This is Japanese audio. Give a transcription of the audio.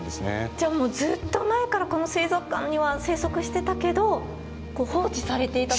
じゃあもうずっと前からこの水族館には生息してたけど放置されていたというか。